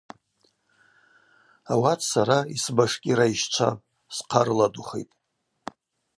Ауат сара йсбашкир айщчвапӏ, схъа рыладухитӏ.